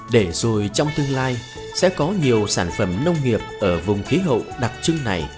để rồi trong tương lai sẽ có nhiều sản phẩm nông nghiệp ở vùng khí hậu đặc trưng này